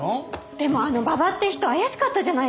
でもあの馬場って人怪しかったじゃないですか。